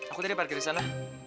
aku tadi parkir disana